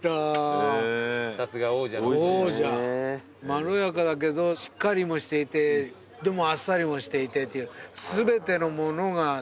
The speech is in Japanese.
まろやかだけどしっかりもしていてでもあっさりもしていてっていう。